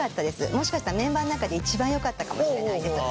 もしかしたらメンバーの中で一番よかったかもしれないです。